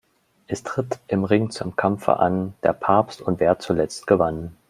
Es tritt im Ring zum Kampfe an: Der Papst und wer zuletzt gewann.